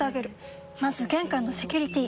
まず玄関のセキュリティ！